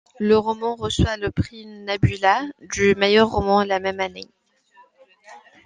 Le roman reçoit le prix Nebula du meilleur roman la même année.